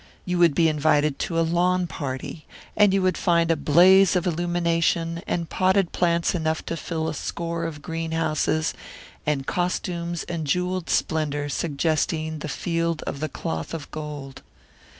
You would be invited to a "lawn party," and you would find a blaze of illumination, and potted plants enough to fill a score of green houses, and costumes and jewelled splendour suggesting the Field of the Cloth of Gold.